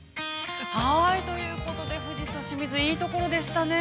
◆ということで、富士の清水、いいところでしたね。